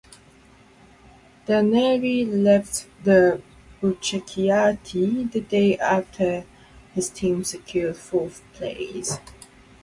Delneri left the "blucerchiati" the day after his team secured fourth place.